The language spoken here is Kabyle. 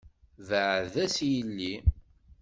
Beɛɛed-as i yelli!